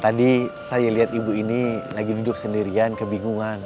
tadi saya lihat ibu ini lagi duduk sendirian kebingungan